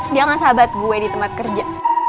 jangan sahabat gue di tempat kerja